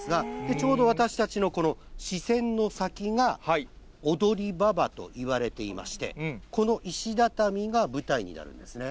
ちょうど私たちのこの視線の先が、踊馬場といわれていまして、この石畳が舞台になるんですね。